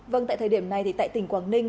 vâng tại thời điểm này thì tại tỉnh quảng ninh